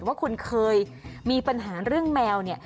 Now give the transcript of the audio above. ว่าคุณเคยมีปัญหาเรื่องแมวเนี่ย